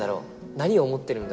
何を思っているんだろう？